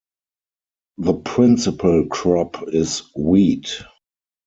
The principal crop is wheat.